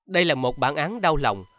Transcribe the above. đây là một bản án đau lòng